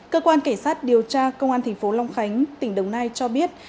cơ quan cảnh sát điều tra công an thành phố long khánh tỉnh đồng nai cho biết